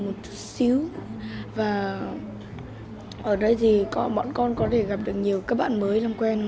một xíu và ở đây thì bọn con có thể gặp được nhiều các bạn mới làm quen